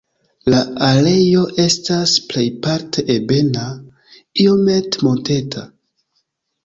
La areo estas plejparte ebena, iomete monteta.